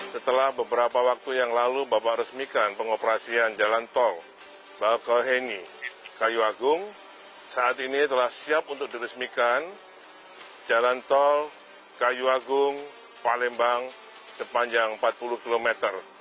setelah beberapa waktu yang lalu bapak resmikan pengoperasian jalan tol bakoheni kayuagung saat ini telah siap untuk diresmikan jalan tol kayuagung palembang sepanjang empat puluh hektare